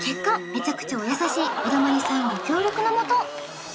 メチャクチャお優しいおだまりさんご協力のもと